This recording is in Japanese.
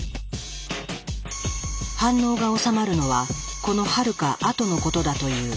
反応がおさまるのはこのはるか後のことだという。